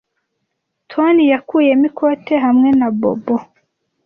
Toni yakuyemo ikote hamwe na bobo